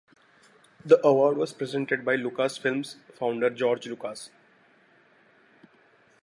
The award was presented by Lucasfilm's founder George Lucas.